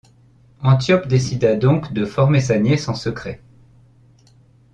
Antiope décida donc de former sa nièce en secret.